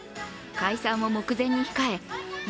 解散を目前に控えま